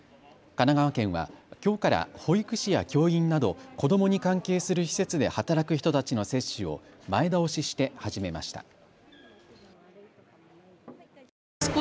神奈川県は、きょうから保育士や教員など子どもに関係する施設で働く人たちの接種を前倒しして始めました。